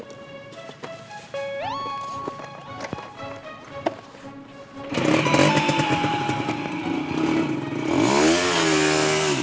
itulah bullshit kali ini kamu